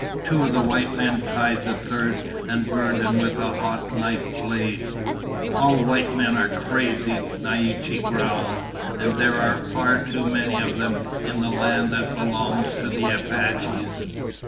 Two of the white men tied the third and burned him with a hot knife blade." "All white men are crazy," Naiche growled. "And there are far too many of them in land that belongs to Apaches."